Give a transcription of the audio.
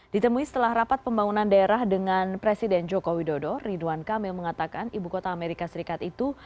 ditemui setelah rapat pembangunan daerah dengan presiden joko widodo ridwan kamil mengatakan ibu kota amerika serikat itu